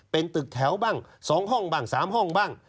เป็นตึกแถวบ้าง๒ห้องบ้าง๓ห้องบ้าง